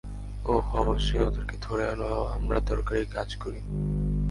ওহ অবশ্যই, ওদেরকে ধরে আনো, আমরা দরকারী কাজ করি।